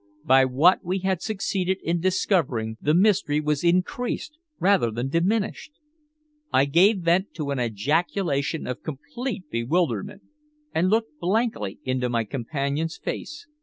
By what we had succeeded in discovering, the mystery was increased rather than diminished. I gave vent to an ejaculation of complete bewilderment, and looked blankly into my companion's face.